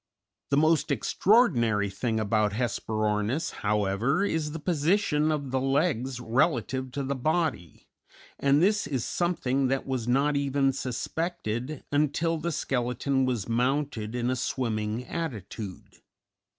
The most extraordinary thing about Hesperornis, however, is the position of the legs relative to the body, and this is something that was not even suspected until the skeleton was mounted in a swimming attitude.